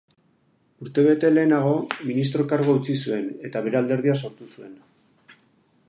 Urtebete lehenago, ministro-kargua utzi zuen, eta bere alderdia sortu zuen.